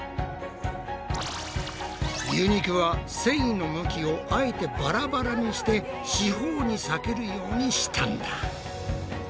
牛肉は繊維の向きをあえてバラバラにして四方に裂けるようにしたんだ。